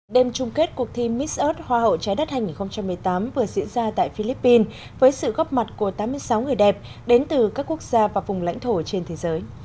đêm chung kết cuộc thi missod hoa hậu trái đất hai nghìn một mươi tám vừa diễn ra tại philippines với sự góp mặt của tám mươi sáu người đẹp đến từ các quốc gia và vùng lãnh thổ trên thế giới